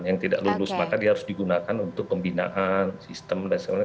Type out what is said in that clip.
yang tidak lulus maka dia harus digunakan untuk pembinaan sistem dan sebagainya